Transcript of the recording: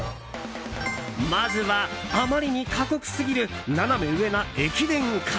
まずは、あまりに過酷すぎるナナメ上な駅伝から。